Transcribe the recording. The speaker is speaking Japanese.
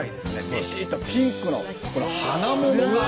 びしっとピンクのこの花桃が。